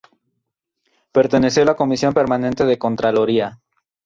Perteneció a la Comisión Permanente de Contraloría.